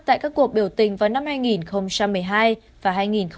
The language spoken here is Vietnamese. tại các cuộc biểu tình vào năm hai nghìn một mươi hai và hai nghìn một mươi sáu